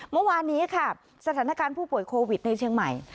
เมื่อวานนี้ค่ะสถานการณ์ผู้ป่วยโควิดในเชียงใหม่